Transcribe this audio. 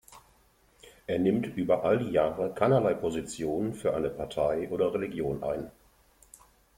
Er nimmt über all die Jahre keinerlei Position für eine Partei oder Religion ein.